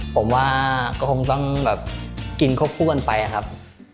ผมว่าก็คงต้องแบบกินควบคู่กันไปครับ